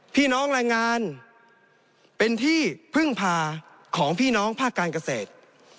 พี่น้องแรงงานเป็นที่พึ่งพาของพี่น้องภาคการเกษตร